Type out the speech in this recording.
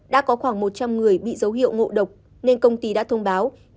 đã có khoảng một trăm linh người bị dấu hiệu ngộ độc nên công ty đã thông báo